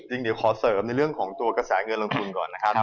จริงเดี๋ยวขอเสริมในเรื่องของตัวกระแสเงินลงทุนก่อนนะครับ